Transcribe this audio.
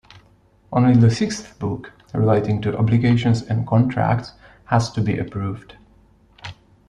Only the Sixth book, relating to obligations and contracts, has to be approved.